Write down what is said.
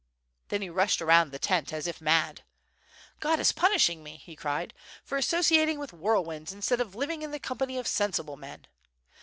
.... Then he rushed around the tent as if mad. "God is punishing me," he cried, "for associating with whirlwinds, instead of living in the company of sensible men.